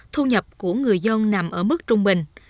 thu nhập của người dân nằm ở mức trung bình